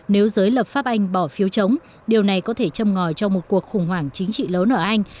nếu giới lập pháp anh bỏ phiếu chống điều này có thể châm ngòi cho một cuộc khủng hoảng chính trị lớn ở anh